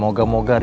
makasih juga saya